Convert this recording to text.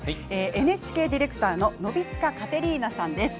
ＮＨＫディレクターのノヴィツカ・カテリーナさんです。